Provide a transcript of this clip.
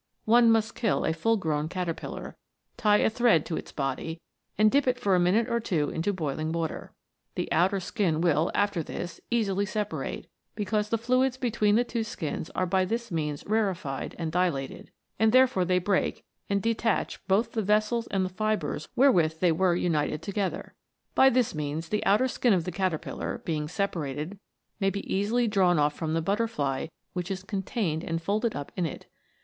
One must kill a full grown caterpillar, tie a thread to its body, and dip it for a minute or two into boiling water. The oxiter skin will, after this, easily separate, because the fluids be tween the two skins are by this means rare fied and dilated, and therefore they break and detach both the vessels and the fibres whei'ewith they were united together. By this means the L 146 METAMORPHOSES. outer skin of the caterpillar, being separated, may be easily drawn off from the butterfly which is con tained and folded up in it.